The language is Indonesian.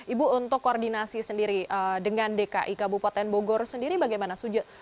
ibu untuk koordinasi sendiri dengan dki kabupaten bogor sendiri bagaimana